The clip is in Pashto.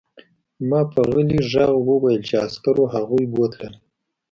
ما په غلي غږ وویل چې عسکرو هغوی بوتلل